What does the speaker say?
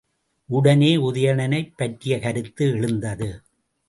உடனே உதயணனைப் பற்றிய கருத்து எழுந்தது.